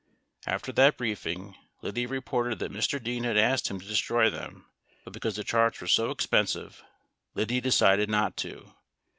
After that briefing, Liddy reported that Mr. Dean had asked him to destroy them, but because the charts were so ex pensive, Liddy decided not to.